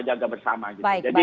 jaga bersama jadi